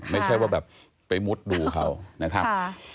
ไม่ใช่ว่าแบบไปมุดดูเขานะครับ